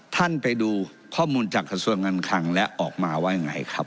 ท่านไปดูข้อมูลจากส่วนเงินคลังและออกมาว่าอย่างไรครับ